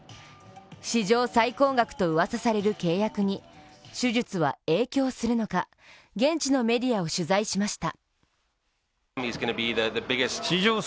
史上最高額とうわさされる契約に手術は影響するのか現地のメディアを取材しました。